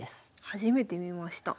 初めて見ました。